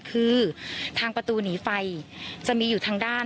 คือทางประตูหนีไฟจะมีอยู่ทางด้าน